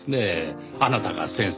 あなたが先生。